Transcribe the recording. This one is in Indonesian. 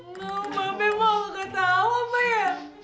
nggak apa apa memang nggak tau apa ya